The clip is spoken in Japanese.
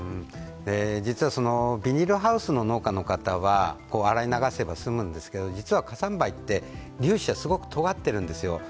実はビニールハウスの農家の方は洗い流せば済むんですが実は火山灰って粒子がすごく尖ってるんですよ。